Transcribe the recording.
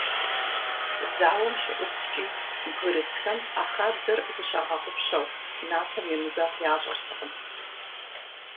Зауэм щыӀуткӀи, бгырысхэм, а хабзэр зыщагъэгъупщэу, напэм емызэгъ ящӀэртэкъым.